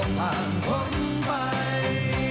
มันอยู่ที่หัวใจ